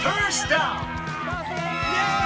イエーイ！